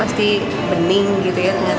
ternyata ini enggak dia lebih gelap gitu